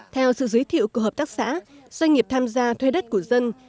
theo sự giới thiệu của hợp tác xã doanh nghiệp tham gia thuê đất của dân